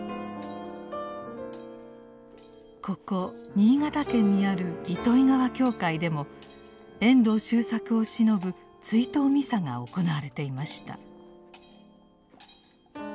ここ新潟県にある糸魚川教会でも遠藤周作をしのぶ追悼ミサが行われていました。